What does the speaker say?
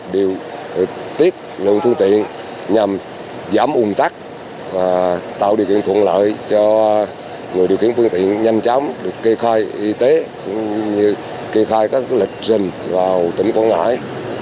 điều tiết lượng phương tiện nhằm giảm ung tắc và tạo điều kiện thuận lợi cho người điều khiển phương tiện nhanh chóng được kê khai y tế cũng như kê khai các lịch trình vào tỉnh quảng ngãi